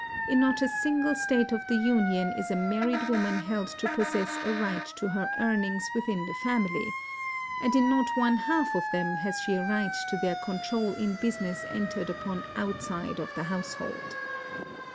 In not a single State of the Union is a married woman held to possess a right to her earnings within the family; and in not one half of them has she a right to their control in business entered upon outside of the household.